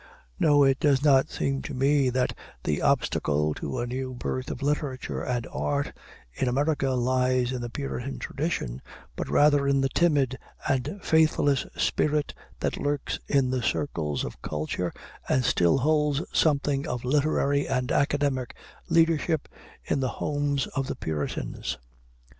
No, it does not seem to me that the obstacle to a new birth of literature and art in America lies in the Puritan tradition, but rather in the timid and faithless spirit that lurks in the circles of culture, and still holds something of literary and academic leadership in the homes of the Puritans.